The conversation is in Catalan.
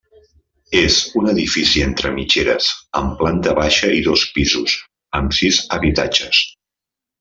És un edifici entre mitgeres, amb planta baixa i dos pisos, amb sis habitatges.